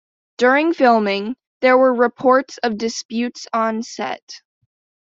During filming, there were reports of disputes on set.